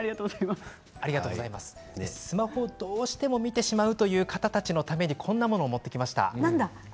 スマホをどうしても見てしまうという方たちのためにこんなものを持ってきました。